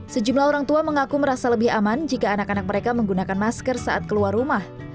sejumlah orang tua mengaku merasa lebih aman jika anak anak mereka menggunakan masker saat keluar rumah